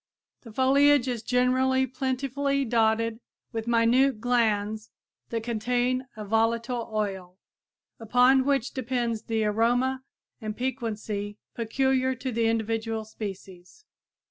The foliage is generally plentifully dotted with minute glands that contain a volatile oil, upon which depends the aroma and piquancy peculiar to the individual species.